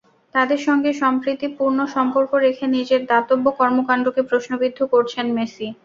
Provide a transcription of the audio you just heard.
তাঁদের সঙ্গে সম্প্রীতি পূর্ণ সম্পর্ক রেখে নিজের দাতব্য কর্মকাণ্ডকে প্রশ্নবিদ্ধ করছেন মেসি।